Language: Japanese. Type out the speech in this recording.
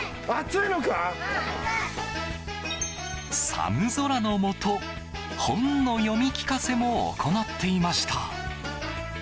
寒空の下、本の読み聞かせも行っていました。